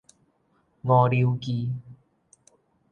五柳居